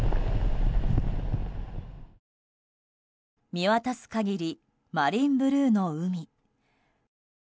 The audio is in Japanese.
見渡す限りマリンブルーの海。